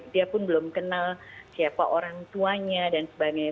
dia pun belum kenal siapa orang tuanya dan sebagainya